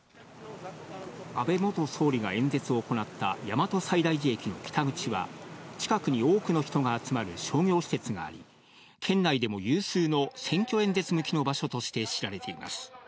安倍元総理が演説を行った大和西大寺駅の北口は、近くに多くの人が集まる商業施設があり、県内でも有数の選挙演説向きの場所として知られています。